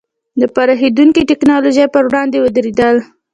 د پراخېدونکې ټکنالوژۍ پر وړاندې ودرېدل.